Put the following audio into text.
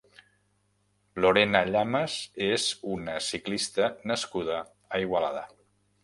Lorena Llamas és una ciclista nascuda a Igualada.